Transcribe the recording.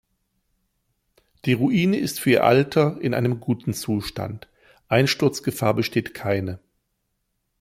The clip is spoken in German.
Die Ruine ist für ihr Alter in einem guten Zustand, Einsturzgefahr besteht keine.